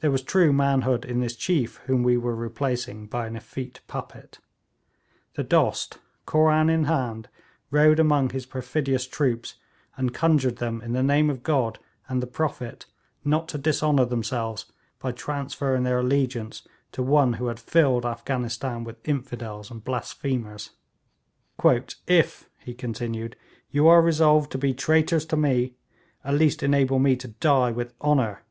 There was true manhood in this chief whom we were replacing by an effete puppet. The Dost, Koran in hand, rode among his perfidious troops, and conjured them in the name of God and the Prophet not to dishonour themselves by transferring their allegiance to one who had filled Afghanistan with infidels and blasphemers. 'If,' he continued, 'you are resolved to be traitors to me, at least enable me to die with honour.